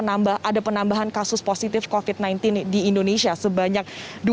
ada penambahan kasus positif covid sembilan belas di indonesia sebanyak dua puluh enam ratus sembilan puluh empat